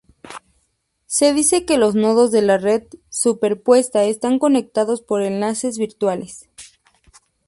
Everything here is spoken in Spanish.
Se dice que los nodos de la red superpuesta están conectados por enlaces virtuales.